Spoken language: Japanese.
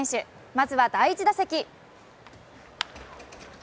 まずは第１打席。